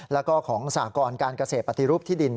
แล้วก็ของสากรการเกษตรปฏิรูปที่ดิน